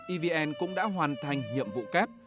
evn cũng đã hoàn thành nhiệm vụ kép